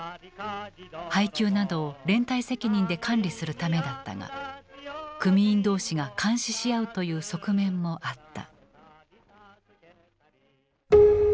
配給などを連帯責任で管理するためだったが組員同士が監視し合うという側面もあった。